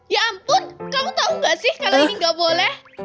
ya ampun kamu tau gak sih kalau ini gak boleh